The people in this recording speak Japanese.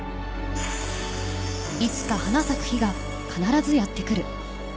いつか花咲く日が必ずやってくる。